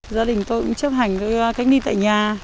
gia đình tôi cũng chấp hành cách ly tại nhà